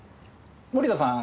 森田さん